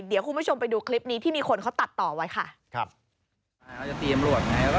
เดี๋ยวคุณผู้ชมไปดูคลิปนี้ที่มีคนเขาตัดต่อไว้ค่ะครับ